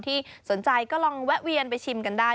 ที่สนใจก็ลองแวะเวียนไปชิมกันได้